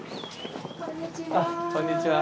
あっこんにちは。